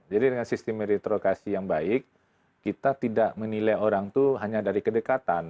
jadi dengan sistem meritokrasi yang baik kita tidak menilai orang itu hanya dari kedekatan